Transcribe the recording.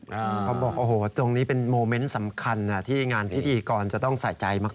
โอ้โหเขาบอกว่าโอ้โฮตรงนี้มันเป็นโมเม้นซ์สำคัญที่ผิดก็ต้องใส่ใจมาก